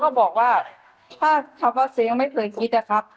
เขาก็บอกว่าถ้าเขาก็ซิงค์ไม่เคยคิดอะครับ